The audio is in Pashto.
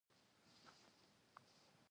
هارون حکیمي ته یې د چاپ لپاره ورکړي.